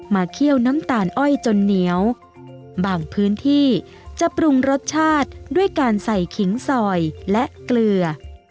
เคี่ยวน้ำตาลอ้อยจนเหนียวบางพื้นที่จะปรุงรสชาติด้วยการใส่ขิงซอยและเกลือ